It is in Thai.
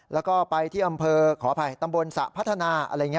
แล้วก็ไปที่อำเภอขออภัยตำบลสระพัฒนาอะไรอย่างนี้